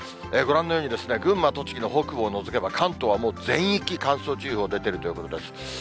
ご覧のように、群馬、栃木の北部を除けば、関東はもう全域、乾燥注意報出てるということです。